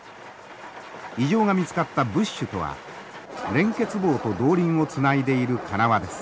異常が見つかったブッシュとは連結棒と動輪をつないでいる金輪です。